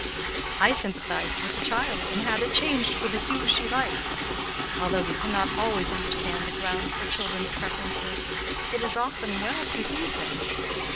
I sympathized with the child and had it changed for the hue she liked. Although we cannot always understand the ground for children's preferences, it is often well to heed them.